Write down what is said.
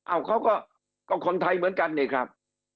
เขาก็คนไทยเหมือนกันนี่ครับ